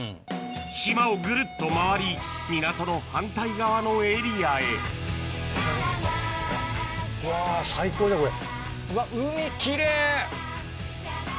島をぐるっと回り港の反対側のエリアへうわ最高だこれ。